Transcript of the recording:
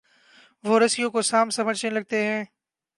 وہ رسیوں کو سانپ سمجھنے لگتے ہیں۔